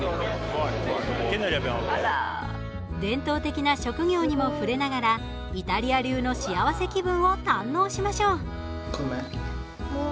伝統的な職業にも触れながらイタリア流のしあわせ気分を堪能しましょう。